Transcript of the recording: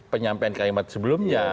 penyampaian kalimat sebelumnya